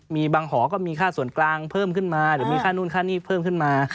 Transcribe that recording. มีบางหอก็มีค่าส่วนกลางเพิ่มขึ้นมาหรือมีค่านู่นค่านี่เพิ่มขึ้นมา